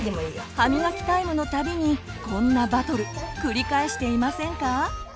歯みがきタイムのたびにこんなバトル繰り返していませんか？